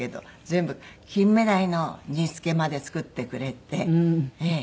全部金目鯛の煮付けまで作ってくれて。